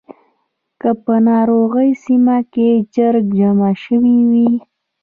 که په ناروغۍ سیمه کې چرک جمع شوی وي.